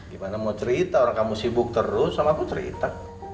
gimana mau cerita orang kamu sibuk terus sama aku cerita